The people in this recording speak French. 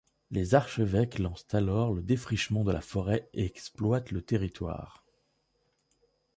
Les archevêques lancent alors le défrichement de la forêt et exploitent le territoire.